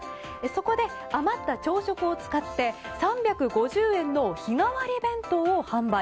そこで余った朝食を使って３５０円の日替わり弁当を販売。